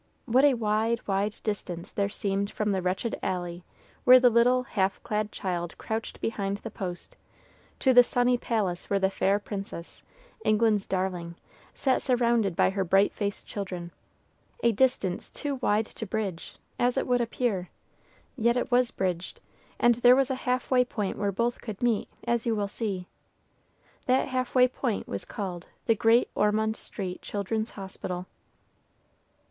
What a wide, wide distance there seemed from the wretched alley where the little, half clad child crouched behind the post, to the sunny palace where the fair princess, England's darling, sat surrounded by her bright faced children, a distance too wide to bridge, as it would appear; yet it was bridged, and there was a half way point where both could meet, as you will see. That half way point was called "The Great Ormond Street Child's Hospital."